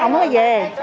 ổng mới về